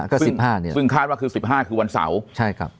ก็๑๕เนี่ยซึ่งคาดว่าคือ๑๕คือวันเสาร์ใช่ครับ